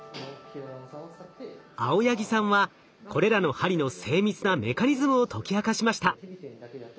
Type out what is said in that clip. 青柳さんはこれらの針の精密なメカニズムを解き明かしました。